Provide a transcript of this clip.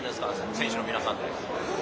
選手の皆さんで。